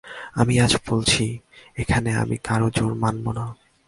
আমি আজ বলছি, এখানে আমি কারো জোর মানব না।